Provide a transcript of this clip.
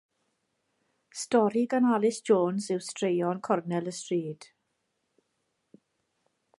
Stori gan Alys Jones yw Straeon Cornel y Stryd.